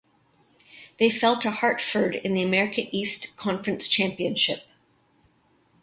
They fell to Hartford in the America East Conference Championship.